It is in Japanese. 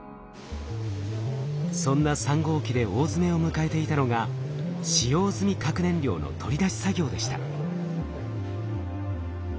そんな３号機で大詰めを迎えていたのが使用済み核燃料の取り出し作業でした。